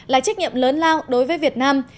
là trách nhiệm lớn lao đối với việt nam